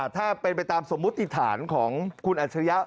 ถ้าเป็นไปตามสมมุติฐานของคุณอัจฉริยะ